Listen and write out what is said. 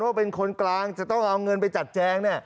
เพราะเป็นคนกลางจะต้องเอาเงินไปจัดแจง